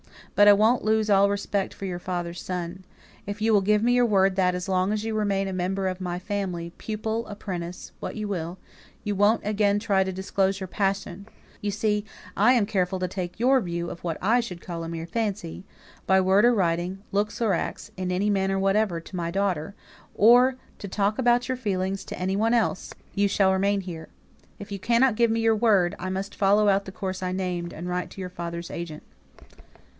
But I won't lose all respect for your father's son. If you will give me your word that, as long as you remain a member of my family pupil, apprentice, what you will you won't again try to disclose your passion you see I am careful to take your view of what I should call a mere fancy by word or writing, looks or acts, in any manner whatever, to my daughter, or to talk about your feelings to any one else, you shall remain here. If you cannot give me your word, I must follow out the course I named, and write to your father's agent."